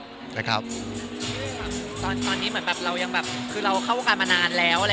ตอนนี้เรายังเข้าการมานานแล้ว